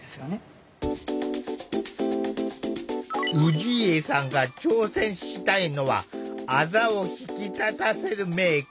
氏家さんが挑戦したいのはあざを引き立たせるメーク。